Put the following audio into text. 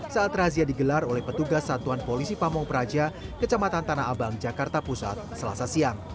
saat razia digelar oleh petugas satuan polisi pamung praja kecamatan tanah abang jakarta pusat selasa siang